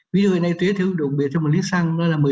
ví dụ như thế này thuế thứ đặc biệt trong một lít xăng đó là một mươi